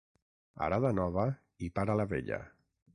Arada nova i para la vella.